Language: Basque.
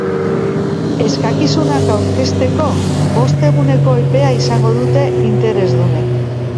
Eskakizunak aurkezteko bost eguneko epea izango dute interesdunek.